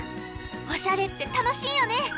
おしゃれってたのしいよね。